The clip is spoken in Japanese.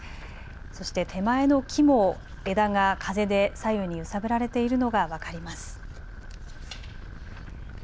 そして手前の木も枝が風で左右に揺さぶられているのが分かります。